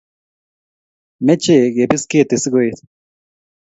Mache kebis keti siko et